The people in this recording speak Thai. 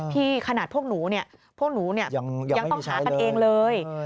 ที่ขณะพวกหนูเนี่ยยังต้องหากันเองเลย